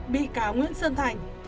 bị cáo nguyễn sơn thành